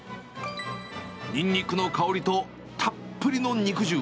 ニンニクの香りとたっぷりの肉汁。